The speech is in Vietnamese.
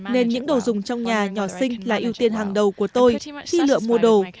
nên những đồ dùng trong nhà nhỏ sinh là ưu tiên hàng đầu của tôi khi lựa mua đồ